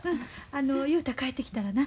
あの雄太帰ってきたらな